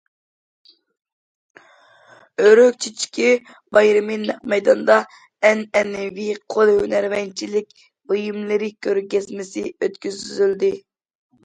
ئۆرۈك چېچىكى بايرىمى نەق مەيداندا ئەنئەنىۋى قول ھۈنەرۋەنچىلىك بۇيۇملىرى كۆرگەزمىسى ئۆتكۈزۈلدى.